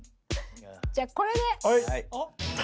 じゃあこれで。